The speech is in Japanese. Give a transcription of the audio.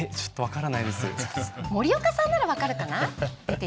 森岡さんなら分かるかな？